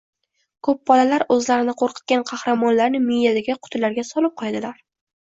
Ko‘p bolalar o‘zlarini qo‘rqitgan qahramonlarni miyadagi qutilarga solib qo‘yadilar.